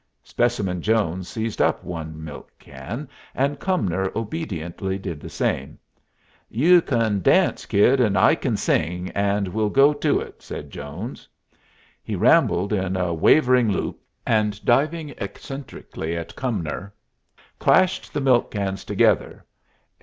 Specimen Jones seized up one milk can, and Cumnor obediently did the same. [Illustration: THE MEXICAN FREIGHT WAGON] "You kin dance, kid, and I kin sing, and we'll go to it," said Jones. He rambled in a wavering loop, and diving eccentrically at Cumnor, clashed the milk cans together.